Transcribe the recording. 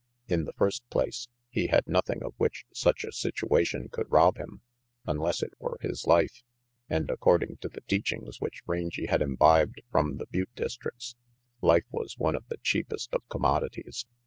In the first place, he had nothing of which such a situation could rob him, unless it were his life, and according to the teachings which Rangy had imbibed from the butte districts, life was one of the cheapest of commodities.